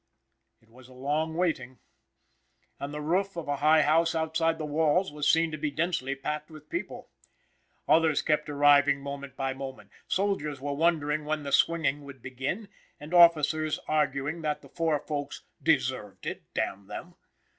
It was a long waiting, and the roof of a high house outside the walls was seen to be densely packed with people. Others kept arriving moment by moment; soldiers were wondering when the swinging would begin and officers arguing that the four folks "deserved it, damn them!"